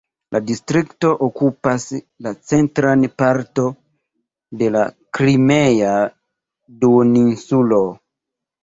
La distrikto okupas la centran parton de la Krimea duoninsulo.